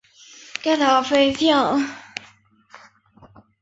该塔亦特设高飞跳。